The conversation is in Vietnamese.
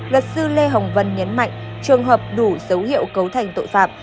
luật sư lê hồng vân nhấn mạnh trường hợp đủ dấu hiệu cấu thành tội phạm